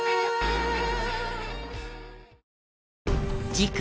次回